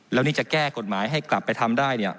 แล้วนี่จะแก้กฎหมายให้กลับไปทำได้เนี่ย